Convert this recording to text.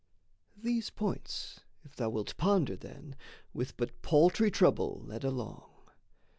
These points, if thou wilt ponder, Then, with but paltry trouble led along...